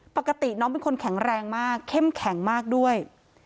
ปกติน้องเป็นคนแข็งแรงมากเข้มแข็งมากด้วย